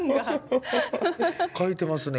書いてますね。